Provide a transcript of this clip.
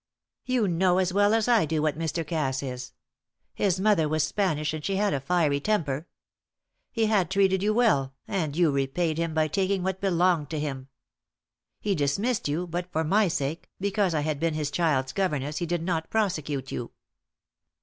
"You know as well as I do what Mr. Cass is. His mother was Spanish, and he had a fiery temper. He had treated you well, and you repaid him by taking what belonged to him. He dismissed you, but for my sake, because I had been his child's governess, he did not prosecute you."